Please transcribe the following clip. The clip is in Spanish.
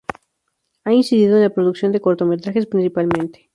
Ha incidido en la producción de cortometrajes principalmente.